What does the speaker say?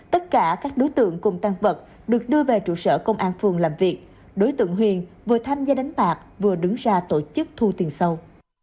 tất cả các đối tượng cùng tăng vật được đưa về trụ sở công an phường làm việc đối tượng huyền vừa tham gia đánh bạc vừa đứng ra tổ chức thu tiền sâu